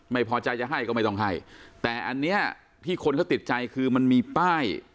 ไม่พอใจจะให้ก็ไม่ต้องให้แต่อันเนี้ยที่คนเขาติดใจคือมันมีป้าย